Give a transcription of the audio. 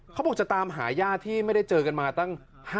เขาบอกจะตามหาญาติที่ไม่ได้เจอกันมาตั้ง